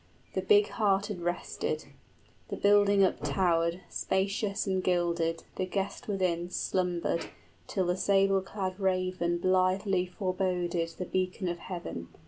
The big hearted rested; The building uptowered, spacious and gilded, 55 The guest within slumbered, till the sable clad raven Blithely foreboded the beacon of heaven.